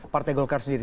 partai golkar sendiri